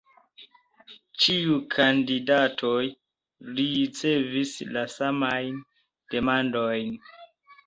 Ĉiuj kandidatoj ricevis la samajn demandojn.